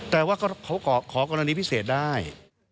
แต่ว่าเขาขอกรณีพิเศษได้